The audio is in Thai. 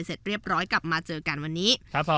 เสร็จเรียบร้อยกลับมาเจอกันวันนี้ครับผม